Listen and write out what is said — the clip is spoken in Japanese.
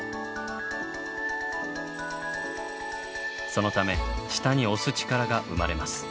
そのため下に押す力が生まれます。